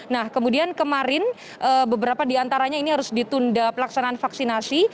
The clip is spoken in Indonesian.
nah kemudian kemarin beberapa diantaranya ini harus ditunda pelaksanaan vaksinasi